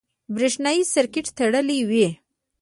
برېښنایي سرکټ تړلی وي.